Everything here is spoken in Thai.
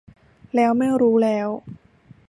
แล้วไม่รู้แล้ว